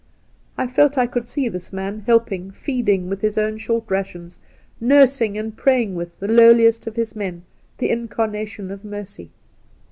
I felt I could see this man helping, feedingwith his own short rations, nursing, and praying with, the lowliest of his men, the incarnation of mercy.